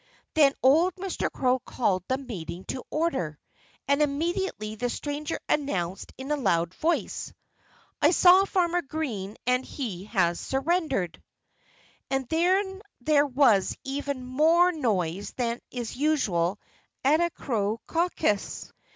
Then old Mr. Crow called the meeting to order. And immediately the stranger announced in a loud voice: "I saw Farmer Green and he has surrendered!" Then there was even more noise than is usual at a crow caucus.